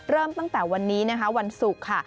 เริ่มตั้งแต่วันนี้นะคะวันศุกร์ค่ะ